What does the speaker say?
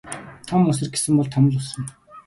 Том үсэр гэсэн бол том л үсэрнэ.